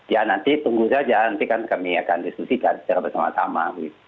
ya nanti tunggu saja nanti kan kami akan diskusikan secara bersama sama